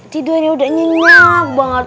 tidur ini udah nyenyak banget